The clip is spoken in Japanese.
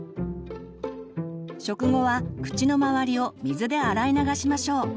食後は口の周りを水で洗い流しましょう。